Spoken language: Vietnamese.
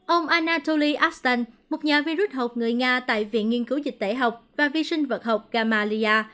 ông anatoly ashton một nhà vi rút học người nga tại viện nghiên cứu dịch tễ học và vi sinh vật học gamalya